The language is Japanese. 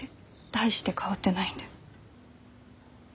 大して変わってないんで。